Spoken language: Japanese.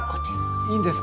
いいんですか？